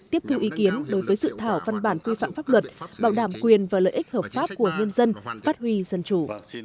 tiếp thu ý kiến đối với dự thảo văn bản quy phạm pháp luật bảo đảm quyền và lợi ích hợp pháp của nhân dân phát huy dân chủ